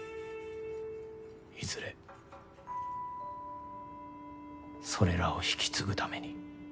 いずれそれらを引き継ぐために。